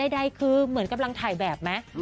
ใดคือเหมือนกำลังถ่ายแบบไหม